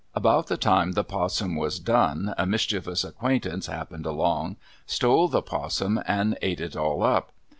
About the time the 'possum was done a mischievous acquaintance happened along, stole the 'possum and ate it all up.